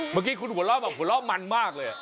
เมื่อกี้คุณหัวเล่าบอกว่าหัวเล่ามันมากเลย